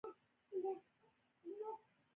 دا توپیر طبیعي دی.